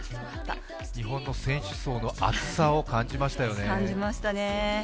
日本の選手層のあつさを感じましたよね。